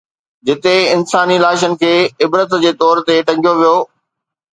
جتي انساني لاشن کي عبرت جي طور تي ٽنگيو ويو.